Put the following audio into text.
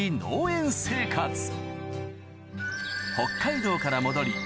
北海道から戻り